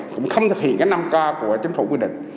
cũng không thực hiện các năm ca của chính phủ quy định